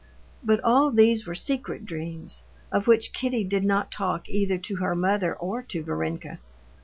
But all these were secret dreams, of which Kitty did not talk either to her mother or to Varenka.